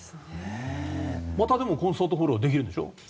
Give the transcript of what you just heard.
またコンサートホールはできるんでしょ？